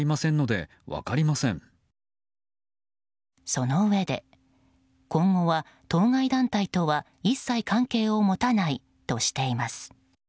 そのうえで今後は当該団体とは一切関係を持たないとしています。